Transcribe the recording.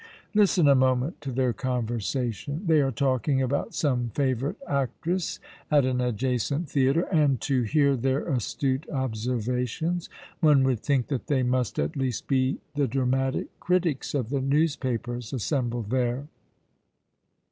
Listen a moment to their conversation:—they are talking about some favourite actress at an adjacent theatre—and, to hear their astute observations, one would think that they must at least be the dramatic critics of the newspapers assembled there.